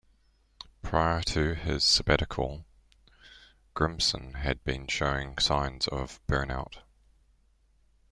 Prior to his sabbatical, Grissom had been showing signs of "burnout".